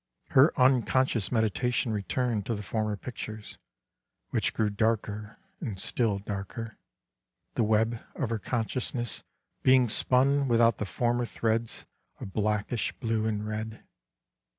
Her unconscious meditation returned to the former pictures, which grew darker and still darker, the web of her consciousness being spun with out the former threads of blackish blue and red.